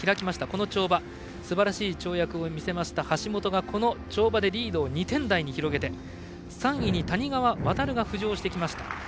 この跳馬すばらしい跳躍を見せた橋本がリードを２点台に広げて３位に谷川航が浮上しました。